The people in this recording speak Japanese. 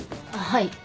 はい。